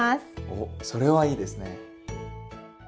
おっそれはいいですね。